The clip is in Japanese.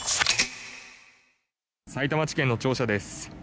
さいたま地検の庁舎です。